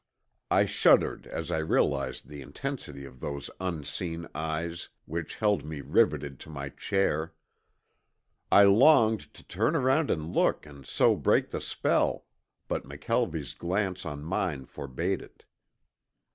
I shuddered as I realized the intensity of those unseen eyes which held me riveted to my chair. I longed to turn around and look and so break the spell, but McKelvie's glance on mine forbade it.